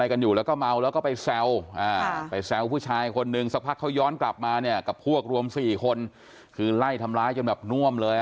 กันอยู่แล้วก็เมาแล้วก็ไปแซวไปแซวผู้ชายคนนึงสักพักเขาย้อนกลับมาเนี่ยกับพวกรวม๔คนคือไล่ทำร้ายจนแบบน่วมเลย